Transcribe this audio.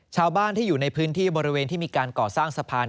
ชาวบ้านที่อยู่ในพื้นที่บริเวณที่มีการก่อสร้างสะพาน